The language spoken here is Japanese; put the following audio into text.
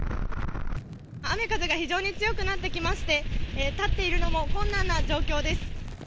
雨風が非常に強くなってきまして、立っているのも困難な状況です。